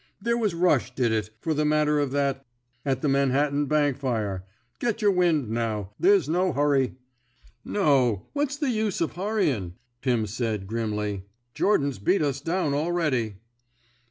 There was Bush did it — for the matter of that — at the Manhattan bank fire. ... Get your wind, now. There's no hurry." No; what's the use of hurryin't " Pirn said, grimly. Jordan's beat us down al ready."